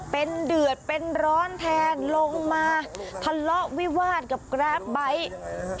เป็นเดือดเป็นร้อนแทนลงมาทะเลาะวิวาสกับแกรปไบท์